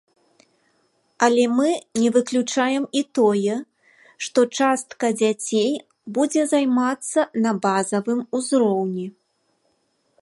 Але мы не выключаем і тое, што частка дзяцей будзе займацца на базавым узроўні.